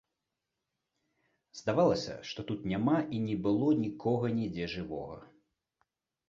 Здавалася, што тут няма і не было нікога нідзе жывога.